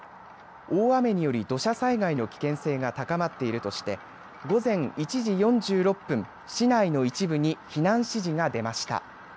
大雨により土砂災害の危険性が高まっているとして午前１時４６分、市内の一部に避難指示が出ました。